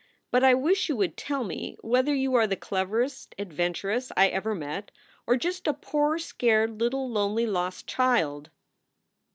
But I wish you would tell me whether you are the cleverest adventuress I ever met or just a poor scared little lonely lost child."